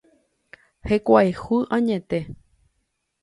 Hekoayhu añete.